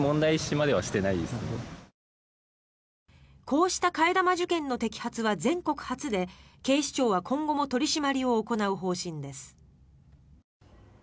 こうした替え玉受験の摘発は全国初で警視庁は今後も取り締まりを行う方針です。